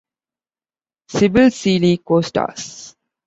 Sybil Seely co-stars.